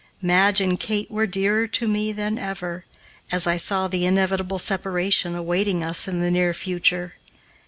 Madge and Kate were dearer to me than ever, as I saw the inevitable separation awaiting us in the near future.